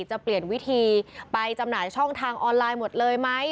จะเปลี่ยนวิธีไปจำหน่ายช่องทางออนไลน์หมดเลยไหม